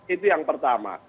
itu yang pertama